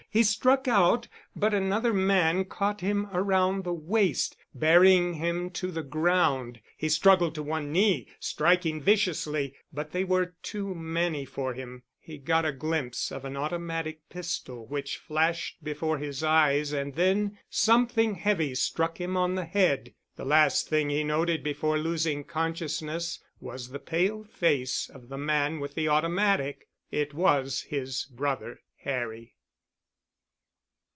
He struck out but another man caught him around the waist, bearing him to the ground. He struggled to one knee, striking viciously, but they were too many for him. He got a glimpse of an automatic pistol which flashed before his eyes and then something heavy struck him on the head. The last thing he noted before losing consciousness was the pale face of the man with the automatic. It was his brother—Harry.